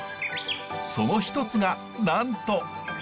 その一つがなんと。